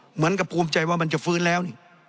เหมือนกับภูมิใจว่ามันจะฟื้นแล้วนี่